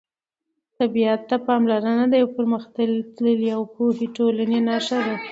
طبیعت ته پاملرنه د یوې پرمختللې او پوهې ټولنې نښه ده.